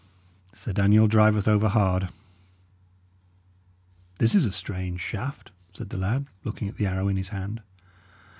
Sir Daniel driveth over hard." "This is a strange shaft," said the lad, looking at the arrow in his hand.